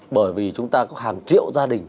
bởi vì chúng ta có hàng triệu gia đình